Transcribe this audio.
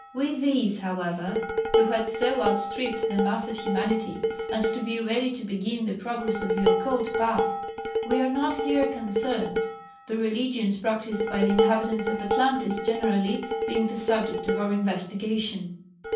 With these, however, who had so outstripped the mass of humanity, as to be ready to begin the progress of the occult path, we are not here concerned, the religions practised by the inhabitants of Atlantis generally being the subject of our investigation.